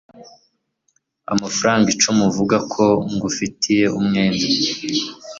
amafaranga icumi uvuga ko ngufitiye umwenda